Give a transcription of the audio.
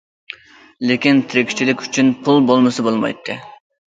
لېكىن تىرىكچىلىك ئۈچۈن پۇل بولمىسا بولمايتتى.